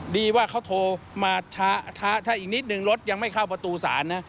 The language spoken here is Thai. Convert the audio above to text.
ดีว่าเขาโทรมาถ้าอีกนิดนึงรถยังไม่เข้าประตูศาลนะ